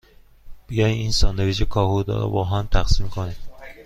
بیا این ساندویچ کاهو را باهم تقسیم کنیم.